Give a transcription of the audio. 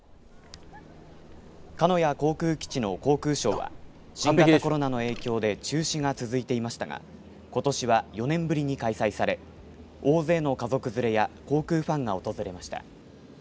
鹿屋航空基地の航空ショーは新型コロナの影響で中止が続いていましたがことしは４年ぶりに開催され大勢の家族連れや航空ファンが訪れました。